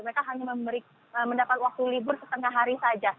mereka hanya mendapat waktu libur setengah hari saja